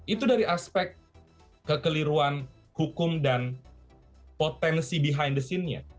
itu dari aspek kekeliruan hukum dan potensi behind the scene nya